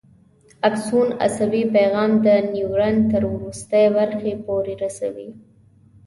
اکسون عصبي پیغام د نیورون تر وروستۍ برخې پورې رسوي.